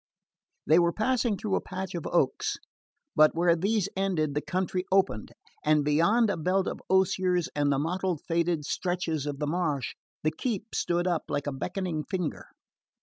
They were passing through a patch of oaks; but where these ended the country opened, and beyond a belt of osiers and the mottled faded stretches of the marsh the keep stood up like a beckoning finger.